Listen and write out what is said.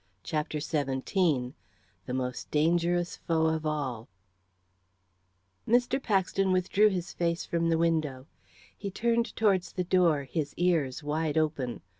CHAPTER XVII THE MOST DANGEROUS FOR OF ALL Mr. Paxton withdrew his face from the window. He turned towards the door, his ears wide open.